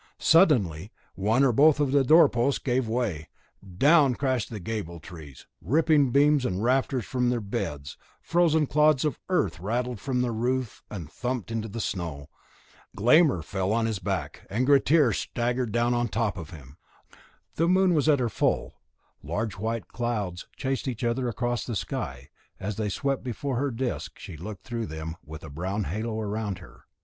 Suddenly one or both of the door posts gave way. Down crashed the gable trees, ripping beams and rafters from their beds; frozen clods of earth rattled from the roof and thumped into the snow. Glámr fell on his back, and Grettir staggered down on top of him. The moon was at her full; large white clouds chased each other across the sky, and as they swept before her disk she looked through them with a brown halo round her.